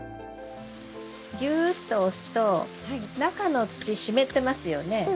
ぎゅっと押すと中の土湿ってますよね？